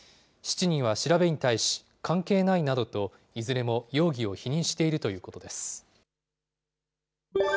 ７人は調べに対し、関係ないなどと、いずれも容疑を否認しているということです。